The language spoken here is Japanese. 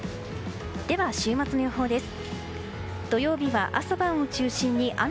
では、週末の予報です。